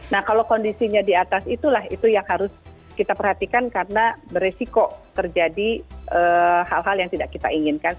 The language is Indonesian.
nah kalau kondisinya di atas itulah itu yang harus kita perhatikan karena beresiko terjadi hal hal yang tidak kita inginkan